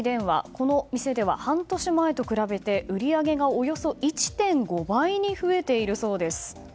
この店では半年前と比べて売り上げがおよそ１．５倍に増えているそうです。